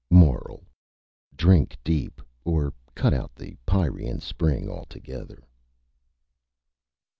MORAL: _Drink Deep, or Cut Out the Pierian Spring Altogether.